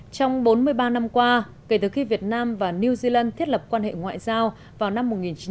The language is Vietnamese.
trong bốn mươi ba năm qua kể từ khi việt nam và new zealand thiết lập quan hệ ngoại giao vào năm một nghìn chín trăm bảy mươi